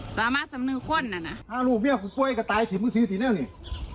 สามารถสำนึกควรน่ะน่ะอ้าวลูกเบี้ยกูป่วยก็ตายที่มึงซื้อที่นี่เนี้ยเนี้ย